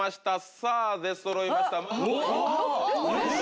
さぁ出そろいました。